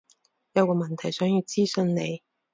有個問題想要諮詢你